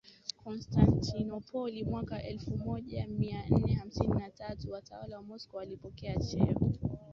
Konstantinopoli mwaka elfu moja mia nne hamsini na tatu watawala wa Moscow walipokea cheo